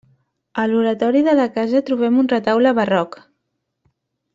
A l'oratori de la casa trobem un retaule barroc.